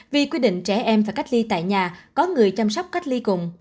vì quy định trẻ em phải cách ly tại nhà có người chăm sóc cách ly cùng